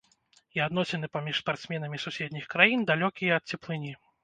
І адносіны паміж спартсменамі суседніх краін далёкія ад цеплыні.